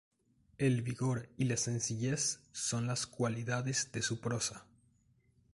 El vigor y la sencillez son las cualidades de su prosa.